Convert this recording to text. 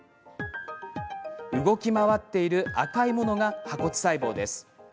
動き回っている赤いものが破骨細胞です。